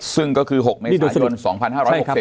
ซึ่งก็คือ๖เมศายน